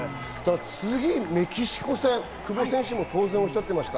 次、メキシコ戦、久保選手も当然おっしゃってました。